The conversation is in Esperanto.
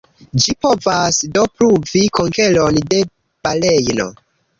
Ĝi povas do pruvi konkeron de Barejno.